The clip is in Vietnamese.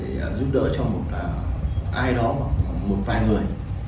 để giúp đỡ cho một là ai đó một vài người